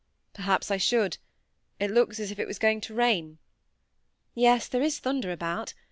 "Perhaps I should. It looks as if it was going to rain." "Yes; there is thunder about.